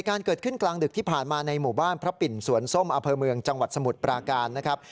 การเกิดขึ้นกลางดึกที่ผ่านมาในหมู่บ้านพระปิ่นสวนส้มอำเภอเมืองจังหวัดสมุทรปราการนะครับ